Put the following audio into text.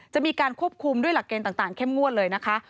จะมีการควบคุมด้วยหลักเกณฑ์ต่างเข้มงวดเลยนะคะ